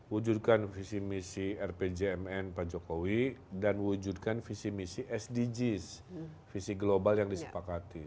wujudkan visi misi rpjmn pak jokowi dan wujudkan visi misi sdgs visi global yang disepakati